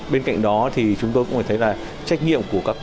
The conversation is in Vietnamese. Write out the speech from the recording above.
bên cạnh đó chúng tôi cũng thấy là trách nhiệm của các cơ quan